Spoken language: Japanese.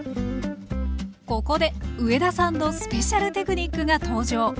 ここで上田さんのスペシャルテクニックが登場。